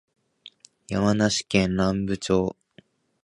山梨県南部町